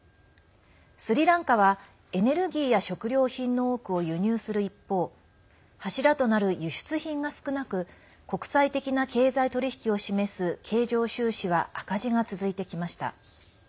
スリランカはエネルギーや食料品の多くを輸入する一方柱となる輸出品が少なく国際的な経済取引を示す経常収支は赤字が続いてきました。